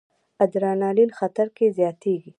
ادرانالین خطر کې زیاتېږي.